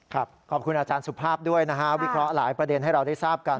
ขอบคุณอาจารย์สุภาพด้วยนะฮะวิเคราะห์หลายประเด็นให้เราได้ทราบกัน